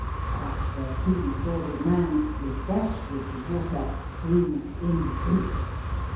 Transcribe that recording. But the Two S worded Man, refreshed with the water, proved in vincible.